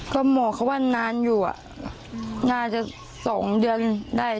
ก็หมอเขาว่านานอยู่น่าจะ๒เดือนได้